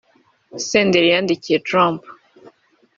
Senderi yandikiye Trump